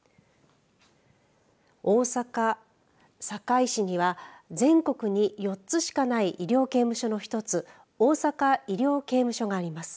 大阪堺市には全国に４つしかない医療刑務所の一つ大阪医療刑務所があります。